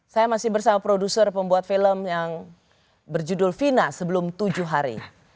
saya masih bersama produser pembuat film yang berjudul fina sebelum tujuh hari